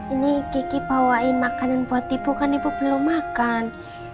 ini kiki bawain makanan buat ibu kan ibu belum makan